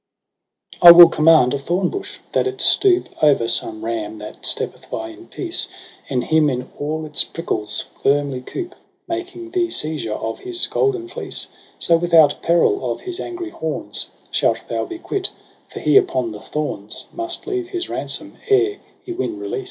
H ' I will command a thornbush, that it stoop Over some ram that steppeth by in peace. And him in all its prickles firmly coop,. Making thee seizure of his golden fleece j So without peril of his angry horns Shalt thou be quit : for he upon the thorns Must leave his ransom ere he win release.'